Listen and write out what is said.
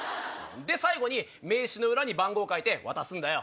で最後に名刺の裏に番号書いて渡すんだよ。